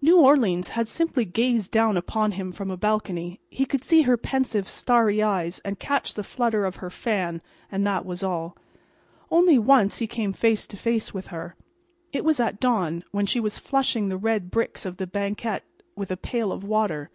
New Orleans had simply gazed down upon him from a balcony. He could see her pensive, starry eyes and catch the flutter of her fan, and that was all. Only once he came face to face with her. It was at dawn, when she was flushing the red bricks of the banquette with a pail of water.